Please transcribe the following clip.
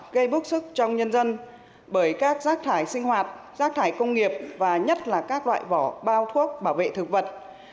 gây bức xúc trong nhân dân bởi các rác thải sinh hoạt rác thải công nghiệp và nhất là các loại vỏ bao thuốc bảo vệ thực vật